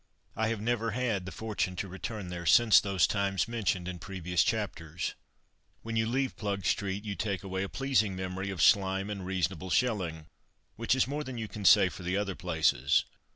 I have never had the fortune to return there since those times mentioned in previous chapters. When you leave Plugstreet you take away a pleasing memory of slime and reasonable shelling, which is more than you can say for the other places.